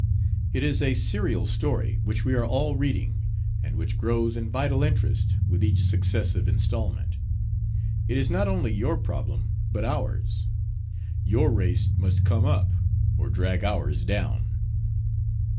It is a serial story which we are all reading, and which grows in vital interest with each successive installment. It is not only your problem, but ours. Your race must come up or drag ours down."